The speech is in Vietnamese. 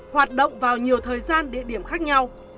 hoạt động vào nhiều thời gian địa điểm khác nhau